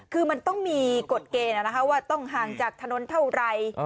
คือมันต้องมีกฎเกณฑ์ว่าต้องห่างจากถนนเท่าไร